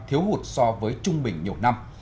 thiếu hụt so với trung bình nhiều năm